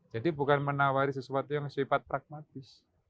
jadi bukan menawari sesuatu yang sesifat pragmatis